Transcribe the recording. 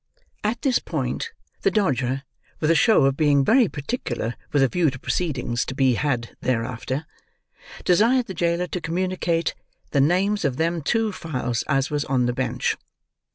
At this point, the Dodger, with a show of being very particular with a view to proceedings to be had thereafter, desired the jailer to communicate "the names of them two files as was on the bench."